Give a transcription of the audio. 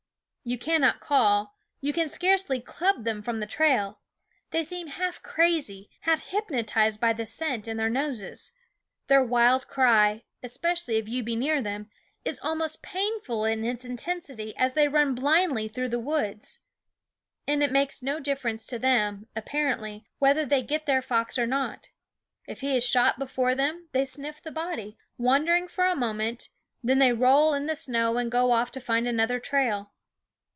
You cannot call, you can scarcely club them from the trail. They seem half crazy, half hypnotized by the scent in their noses. Their wild cry, especially if you be near them, is almost painful in its inten sity as they run blindly through the woods. And it makes no difference to them, appar ently, whether they get their fox or not. If he is shot before them, they sniff the body, wondering for a moment ; then they roll in the snow and go off to find another trail.